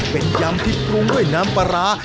เป็นยำที่ปรุงด้วยน้ำปลาร้า